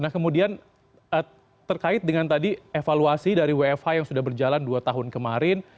nah kemudian terkait dengan tadi evaluasi dari wfh yang sudah berjalan dua tahun kemarin